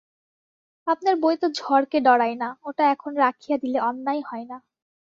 আপনার বই তো ঝড়কে ডরায় না, ওটা এখন রাখিয়া দিলে অন্যায় হয় না।